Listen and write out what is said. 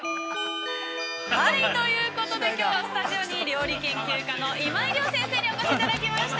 ◆ということで、きょうはスタジオに料理研究家の今井亮先生にお越しいただきました。